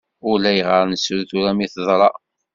Ulayɣer nettru tura mi teḍra.